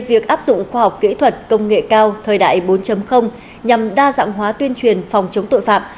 việc áp dụng khoa học kỹ thuật công nghệ cao thời đại bốn nhằm đa dạng hóa tuyên truyền phòng chống tội phạm